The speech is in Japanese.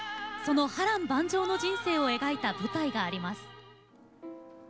その波乱万丈の人生を描いた舞台があります。